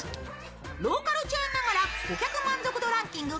ローカルチェーンながら顧客満足度ランキング